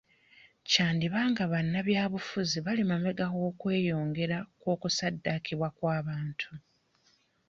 Kyandiba nga bannabyabufuzi bali mabega w'okweyongera kw'okusaddakibwa kw'abantu.